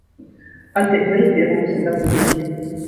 А цяпер звернемся да публікі.